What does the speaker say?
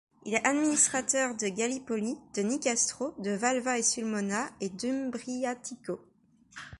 Il est administrateur de Gallipoli, de Nicastro, de Valva et Sulmona et d'Umbriatico.